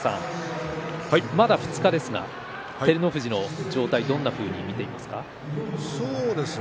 まだ２日ですが照ノ富士の状態をどんなふうに見ていますか。